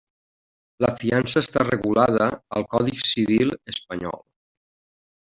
La fiança està regulada al Codi civil espanyol.